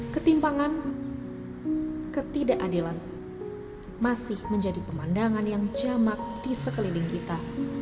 ketimpangan ketidakadilan masih menjadi pemandangan yang jamak di sekeliling kita